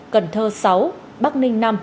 cần thơ sáu bắc ninh năm